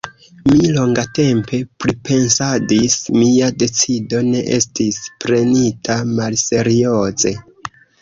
Mi longatempe pripensadis: mia decido ne estis prenita malserioze.